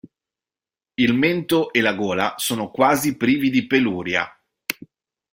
Il mento e la gola sono quasi privi di peluria.